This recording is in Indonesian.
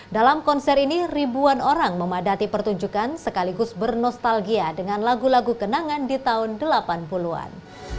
dalam konser ini ribuan orang memadati pertunjukan sekaligus bernostalgia dengan lagu lagu kenangan di tahun delapan puluh an